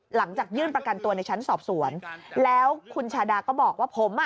หลังจากยื่นประกันตัวในชั้นสอบสวนแล้วคุณชาดาก็บอกว่าผมอ่ะ